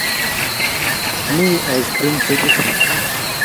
Mie ice cream frijit